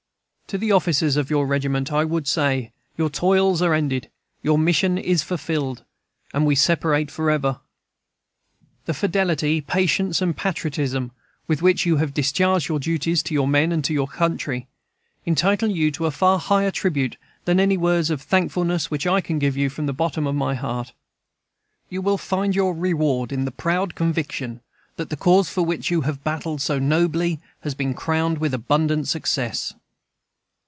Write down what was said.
To the officers of the regiment I would say, your toils are ended, your mission is fulfilled, and we separate forever. The fidelity, patience, and patriotism with which you have discharged your duties, to your men and to your country, entitle you to a far higher tribute than any words of thankfulness which I can give you from the bottom of my heart You will find your reward in the proud conviction that the cause for which you have battled so nobly has been crowned with abundant success.